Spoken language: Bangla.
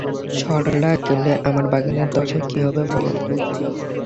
সরলা গেলে আমার বাগানের দশা কী হবে বলো।